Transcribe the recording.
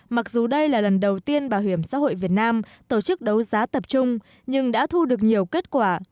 mặc dù đây là lần đầu tiên bảo hiểm xã hội việt nam tổ chức đấu giá tập trung nhưng đã thu được nhiều kết quả